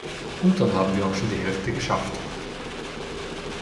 Und dann haben wir auch schon die Hälfte geschafft.